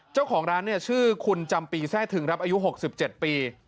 เจ้าของร้านชื่อคุณจำปีแทร่ถึงอายุ๖๗ปี